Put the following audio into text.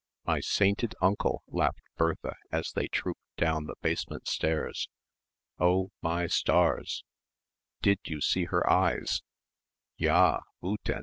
"My sainted uncle," laughed Bertha as they trooped down the basement stairs. "Oh my stars!" "Did you see her eyes?" "Ja!